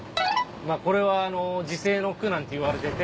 これは辞世の句なんていわれてて。